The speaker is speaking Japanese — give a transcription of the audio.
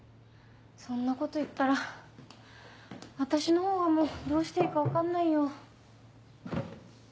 そんなこと言ったら私のほうがもうどうしていいか分かんないよ。